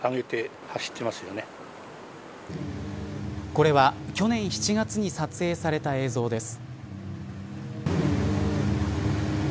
これは去年７月に撮影された映像です。